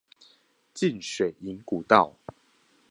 浸水營古道